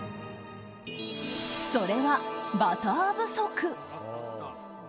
それは、バター不足。